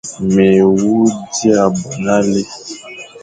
Mé wu dia bo nale,